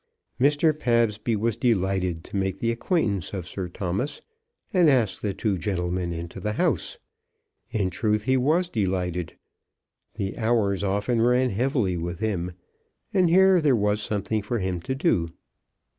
Mr. Pabsby was delighted to make the acquaintance of Sir Thomas, and asked the two gentlemen into the house. In truth he was delighted. The hours often ran heavily with him, and here there was something for him to do.